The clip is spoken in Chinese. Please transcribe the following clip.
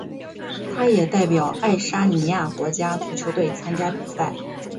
他也代表爱沙尼亚国家足球队参加比赛。